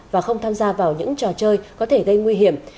và không tham gia vào những trò chơi có thể gây nguy hiểm